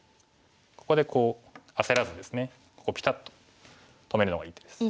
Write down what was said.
ここでこう焦らずですねピタッと止めるのがいい手です。